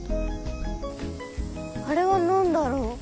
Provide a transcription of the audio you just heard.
あれは何だろう？